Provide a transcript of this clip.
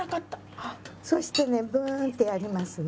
そしてねブーンってやりますね。